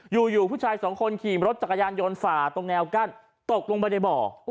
อยู่ผู้ชายสองคนขี่รถจักรยานยนต์ฝ่าตรงแนวกั้นตกลงไปในบ่อ